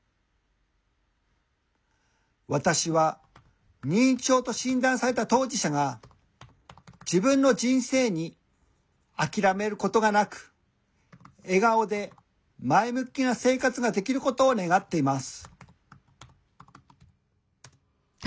私は認知症と診断された当事者が自分の人生にあきらめる事がなく笑顔で前向きな生活ができることを願っています」。